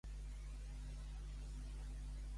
L'ase et floc!